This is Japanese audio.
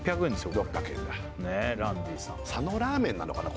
ランディさん６００円だ佐野ラーメンなのかな